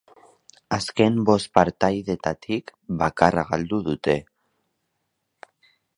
Azken bost partidetatik bakarra galdu dute.